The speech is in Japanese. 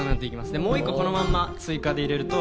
でもう１個このまま追加で入れると。